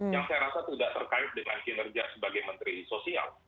yang saya rasa tidak terkait dengan kinerja sebagai menteri sosial